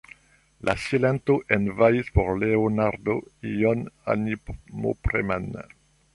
La silento enhavis por Leonardo ion animopreman.